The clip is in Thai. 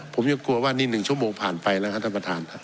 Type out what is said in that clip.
ผมยังกลัวว่านี่๑ชั่วโมงผ่านไปแล้วครับท่านประธาน